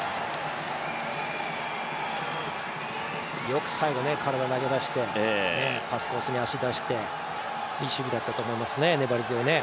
よく最後、体投げ出してパスコースに足出して、いい守備だったと思います粘り強いね。